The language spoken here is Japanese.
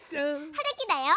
はるきだよ。